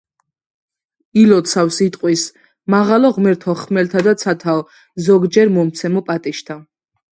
ილოცავს, იტყვის: "მაღალო ღმერთო ხმელთა და ცათაო, ზოგჯერ მომცემო პატიჟთა,